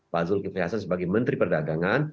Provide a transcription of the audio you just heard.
pak zulkifli hasan sebagai menteri perdagangan